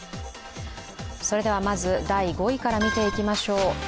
それではまず、第５位から見ていきましょう。